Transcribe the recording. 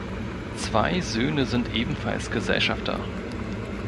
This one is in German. Zwei Söhne sind ebenfalls Gesellschafter.